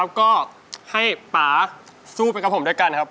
ก็ให้ป๊าสู้ไปกับผมด้วยกันครับ